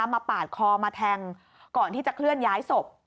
ปาดคอมาแทงก่อนที่จะเคลื่อนย้ายศพ